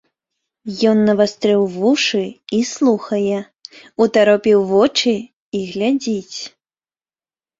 Ён навастрыў вушы і слухае, утаропіў вочы і глядзіць.